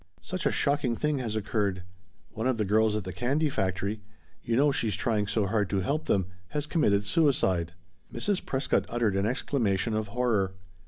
"Such a shocking thing has occurred. One of the girls at the candy factory you know she's trying so hard to help them has committed suicide!" Mrs. Prescott uttered an exclamation of horror.